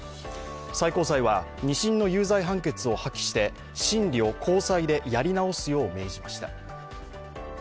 最高裁は２審の有罪判決を破棄して審理を高裁でやり直すよう命じました。